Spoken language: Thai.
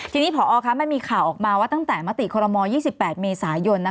ทีนี้พอมันมีข่าวออกมาว่าตั้งแต่มติคอรมอล๒๘เมษายน